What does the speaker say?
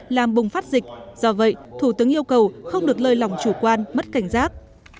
làm bùng phát dịch do vậy thủ tướng yêu cầu không được lơi lỏng chủ quan mất cảnh giác